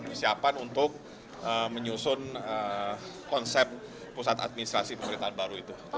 kita penuhi siapan untuk menyusun konsep pusat administrasi pemerintahan baru itu